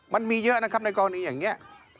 มันมีเยอะนะครับในกรณีอย่างนี้